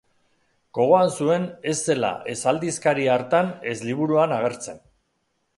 Gogoan zuen ez zela ez aldizkari hartan ez liburuan agertzen.